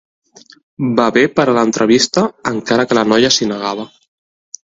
Bebè per a l'entrevista, encara que la noia s'hi negava.